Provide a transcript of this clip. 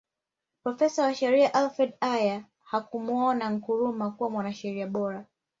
Profesa wa sheria Alfred Ayer hakumuona Nkrumah kuwa mwanasheria bora